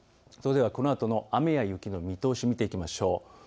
それではこのあとの雨や雪の見通し、見ていきましょう。